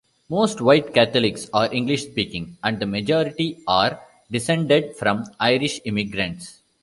Most white Catholics are English speaking, and the majority are descended from Irish immigrants.